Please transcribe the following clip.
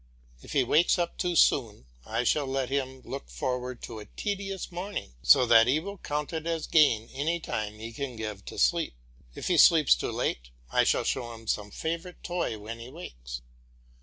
If he wakes too soon, I shall let him look forward to a tedious morning, so that he will count as gain any time he can give to sleep. If he sleeps too late I shall show him some favourite toy when he wakes.